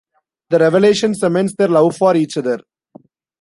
The revelation cements their love for each other.